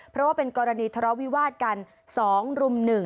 เพราะว่าเป็นกรณีทะเลาะวิวาสกัน๒รุ่ม๑